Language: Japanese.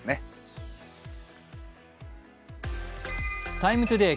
「ＴＩＭＥ，ＴＯＤＡＹ」